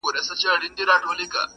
زړه قلا،